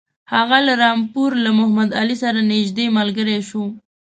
هغه له رامپور له محمدعلي سره نیژدې ملګری شو.